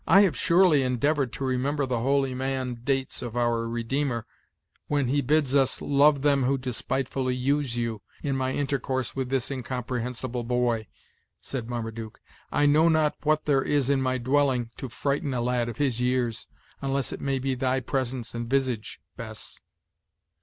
"I have surely endeavored to remember the holy man dates of our Redeemer, when he bids us 'love them who despitefully use you,' in my intercourse with this incomprehensible boy," said Marmaduke. "I know not what there is in my dwelling to frighten a lad of his years, unless it may he thy presence and visage, Bess."